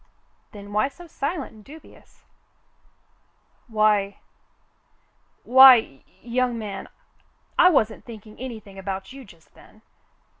"Then why so silent and dubious.^" "Why — why — y — ^young man, I wasn't thinking any thing about you just then."